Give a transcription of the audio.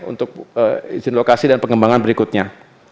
untuk izin lokasi dan pengembangan berikutnya